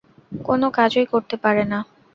কোনো কাজই করতে পারে না।